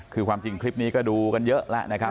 คือความจริงคลิปนี้ก็ดูกันเยอะแล้วนะครับ